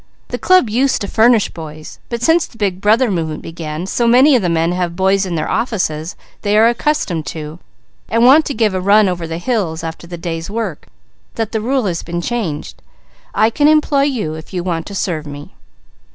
The club used to furnish boys, but since the Big Brother movement began, so many of the men have boys in their offices they are accustomed to, and want to give a run over the hills after the day's work, that the rule has been changed. I can employ you, if you want to serve me."